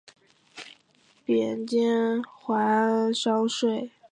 贬监怀安商税。